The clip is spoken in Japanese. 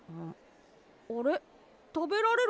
あれ？